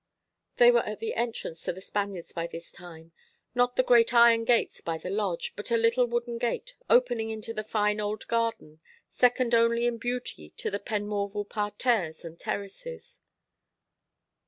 They were at the entrance to The Spaniards by this time not the great iron gates by the lodge, but a little wooden gate opening into the fine old garden, second only in beauty to the Penmorval parterres and terraces.